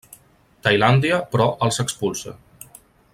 Tailàndia, però, els expulsa.